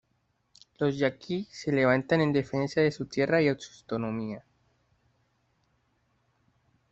Los yaqui se levantan en defensa de su tierra y su autonomía.